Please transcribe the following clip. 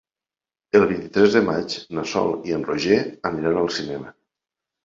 El vint-i-tres de maig na Sol i en Roger aniran al cinema.